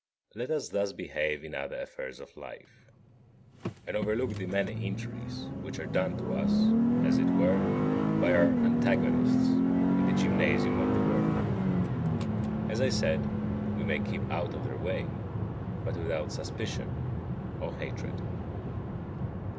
Let us thus behave in other affairs of life, and overlook the many injuries which are done to us, as it were, by our antagonists in the gymnasium of the world. As I said, we may keep out of their way, but without suspicion or hatred.